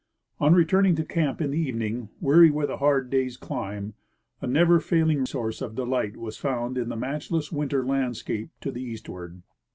On returning to camp in the evening, weary with a hard day's climb, a never failing source of delight was found in the match less winter landscape to the eastward.